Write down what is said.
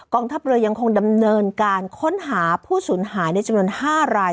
ทัพเรือยังคงดำเนินการค้นหาผู้สูญหายในจำนวน๕ราย